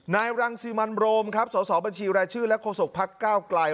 นายรังสิมันโรมครับสสบัญชีรายชื่อและโศกพักก้าวไกล